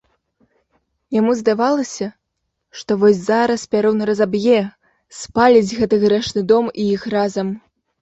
Яму здавалася, што вось зараз пярун разаб'е, спаліць гэты грэшны дом і іх разам.